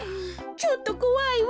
ちょっとこわいわ。